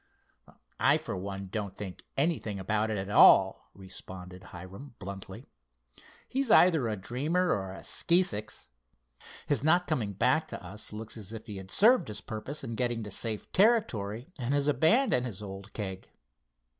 "I, for one, don't think anything about it at all," responded Hiram, bluntly. "He's either a dreamer or a skeesicks. His not coming back to us looks as if he had served his purpose in getting to safe territory and has abandoned his old keg."